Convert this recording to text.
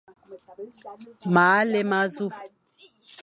Mâa lé ma zu.